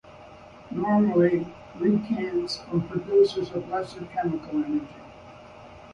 Normally, reactants form products of lesser chemical energy.